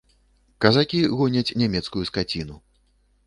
Казакі гоняць нямецкую скаціну.